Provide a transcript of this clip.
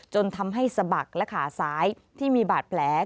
จนทำให้สะบักและขาซ้ายที่มีบาดแผล